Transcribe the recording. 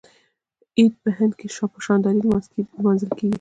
عید په هند کې په شاندارۍ لمانځل کیږي.